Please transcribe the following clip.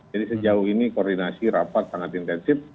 jadi sejauh ini koordinasi rapat sangat intensif